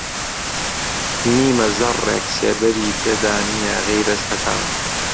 نیمە زەڕڕێک سێبەری تێدا نییە غەیرەز هەتاو